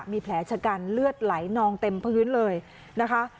มีแผลชะกันเลือดไหลนองเต็มพื้นเลยนะคะ